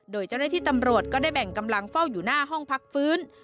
โดยเจ้าหน้าที่ตำรวจก็ได้แบ่งกำลังเฝ้าอยู่หน้าห้องพักฟื้น